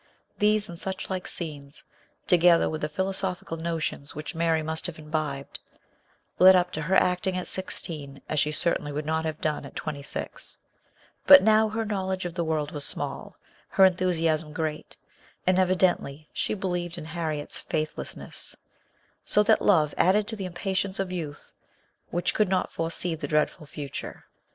These and such like scenes, together with the philo sophical notions which Mary must have imbibed, led up to her acting at sixteen as she certainly would not have done at twenty six; but now her knowledge of the world was small, her enthusiasm great and evidently she believed in Harriet's faithlessness so that love added to the impatience of youth, which could not foresee the dreadful future.